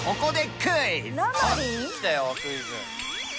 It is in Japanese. クイズ。